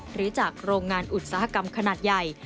หรือจากโรงงานอุตสาหกรรมขนาดใหญ่